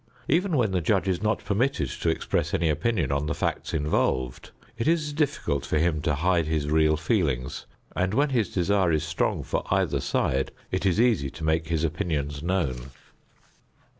Even when the judge is not permitted to express any opinions on the facts involved, it is difficult for him to hide his real feelings, and when his desire is strong for either side it is easy to make his opinions known.